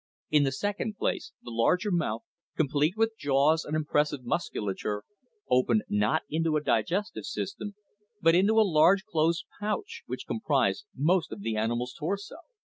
In the second place, the larger mouth, complete with jaws and impressive musculature, opened not into a digestive system, but into a large closed pouch which comprised most of the animal's torso.